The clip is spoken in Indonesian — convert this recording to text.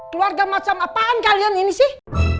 keluarga macam apaan kalian ini sih